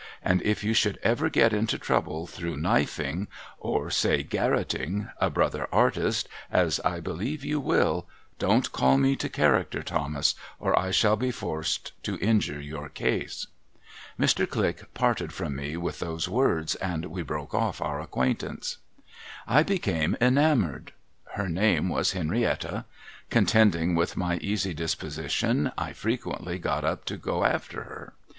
And if you should ever get into trouble through knifeing — or say, garrotting— a brother artist, as I believe you will, don't call me to character, Thomas, or I shall be forced to injure your case.' Mr. Click parted from me with those words, and we broke oft' our acquaintance. I became enamoured. Her name was Henrietta. Contending with my easy disposition, I frequently got up to go after her.